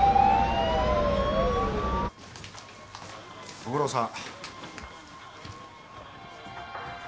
ご苦労さん。